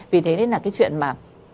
vì thế nên là cái chuyện mà